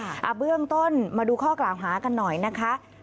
เบื้องต้นมาดูข้อกล่าวหากันหน่อยนะคะ